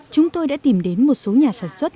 chúng tôi đã tìm đến một số nhà sản xuất